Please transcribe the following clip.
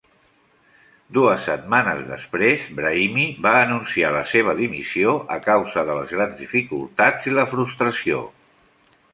Dues setmanes després, Brahimi va anunciar la seva dimissió, a causa de les grans dificultats i la frustració.